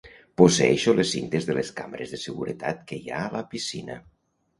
Posseeixo les cintes de les càmeres de seguretat que hi ha a la piscina.